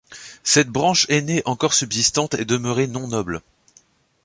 Cette branche ainée encore subsistante est demeurée non noble.